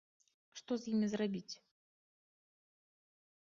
Што з імі зрабіць?